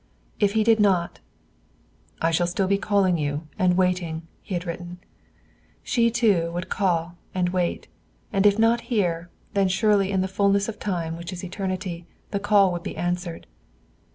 If he did not "I shall still be calling you, and waiting," he had written. She, too, would call and wait, and if not here, then surely in the fullness of time which is eternity the call would be answered.